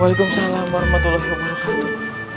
waalaikumsalam warahmatullahi wabarakatuh